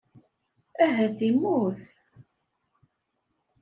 Ahat immut.